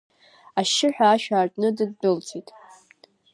Ашьшьыҳәа ашә аартны дындәылҵит.